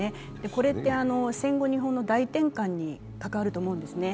これって戦後日本の大転換に関わると思います。